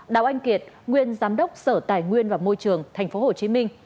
đào anh kiệt nguyên giám đốc sở tài nguyên và môi trường tp hcm